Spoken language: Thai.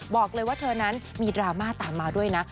บอกเลยว่าเธอนั้นมีดราม่าตามมาด้วยนะ